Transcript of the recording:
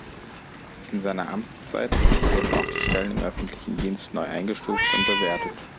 In seiner Amtszeit wurden auch die Stellen im öffentlichen Dienst neu eingestuft und bewertet.